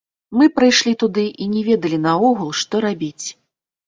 Мы прыйшлі туды і не ведалі наогул, што рабіць.